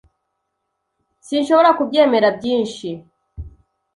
Sinshobora kubyemera byinshi.